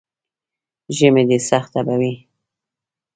ژمی دی، سخته به وي.